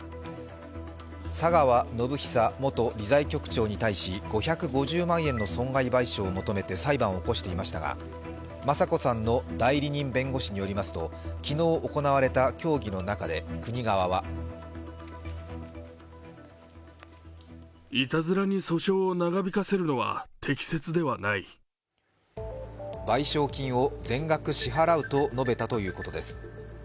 佐川宣寿元理財局長に対し５５０万円の損害賠償を求めて裁判を起こしていましたが、雅子さんの代理人弁護士によりますと昨日行われた協議の中で国側は賠償金を全額支払うと述べたということです。